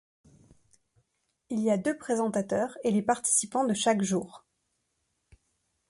Il y a deux présentateurs et les participants de chaque jour.